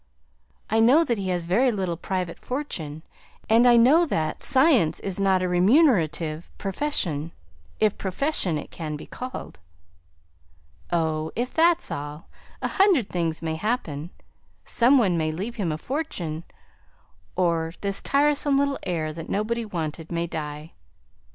"I know that he has very little private fortune, and I know that science is not a remunerative profession, if profession it can be called." "Oh, if that's all a hundred things may happen some one may leave him a fortune or this tiresome little heir that nobody wanted, may die."